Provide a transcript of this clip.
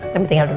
tapi tinggal dulu